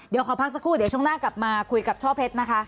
เดี๋ยวขอพักสักครู่เดี๋ยวช่วงหน้ากลับมาคุยกับช่อเพชรนะคะ